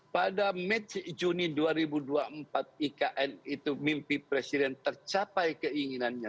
pada juni dua ribu dua puluh empat ikn itu mimpi presiden tercapai keinginannya